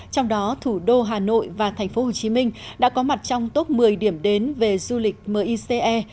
trong đó thủ đô hà nội và thành phố hồ chí minh đã có mặt trong top một mươi điểm đến về du lịch mice